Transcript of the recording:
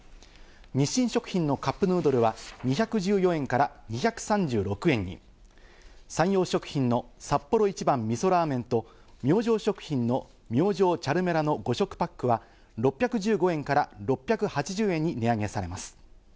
日清食品の「カップヌードル」は２１４円から２３６円に、サンヨー食品の「サッポロ一番みそラーメン」と、明星食品の「明星チャルメラ」の５食パックは６１５円から６８０円に値上げされます。